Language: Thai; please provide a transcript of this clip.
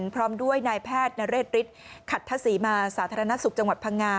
พร้อมด้วยนายแพทย์นเรศฤทธิ์ขัดทศรีมาสาธารณสุขจังหวัดพังงา